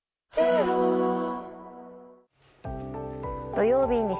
土曜日西